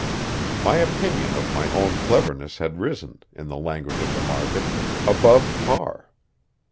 My opinion of my own cleverness had risen, in the language of the market, "above par."